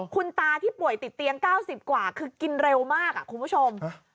คุณตาที่ป่วยติดเตียง๙๐กว่าคือกินเร็วมากคุณผู้ชม